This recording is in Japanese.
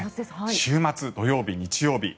週末土曜日、日曜日